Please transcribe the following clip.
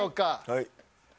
はい。